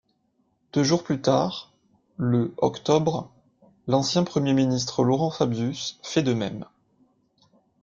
Deux jours plus tard, le octobre, l'ancien Premier ministre Laurent Fabius fait de même.